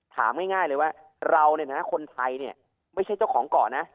ถามง่ายเลยว่าเราเนี่ยนะคนไทยเนี่ยไม่ใช่เจ้าของเกาะนะ